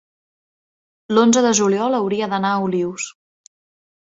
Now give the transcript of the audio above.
l'onze de juliol hauria d'anar a Olius.